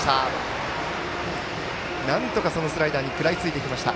なんとかスライダーに食らいついていきました。